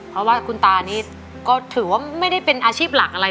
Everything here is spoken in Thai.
เพราะว่าคุณตานี่ก็ถือว่าไม่ได้เป็นอาชีพหลักอะไร